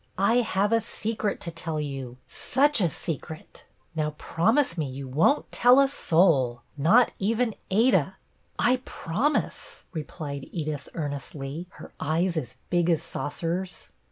" I have a secret to tell you, such a secret! Now promise me you won't tell a soul, not even Ada." " I promise," replied Edith, earnestly, her eyes as big as saucers.